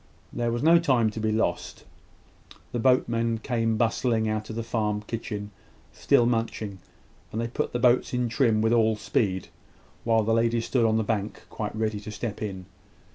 There was no time to be lost. The boatmen came bustling out of the farm kitchen, still munching; and they put the boats in trim with all speed, while the ladies stood on the bank quite ready to step in.